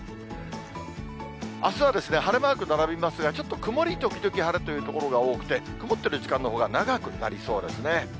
あすは晴れマーク並びますが、ちょっと曇り時々晴れという所が多くて、曇ってる時間のほうが長くなりそうですね。